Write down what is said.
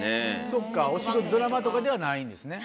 そっかドラマとかではないんですね。